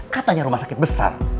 katanya rumah sakit besar